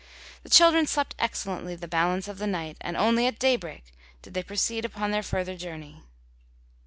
The children slept excellently the balance of the night, and only at daybreak did they proceed upon their further journey.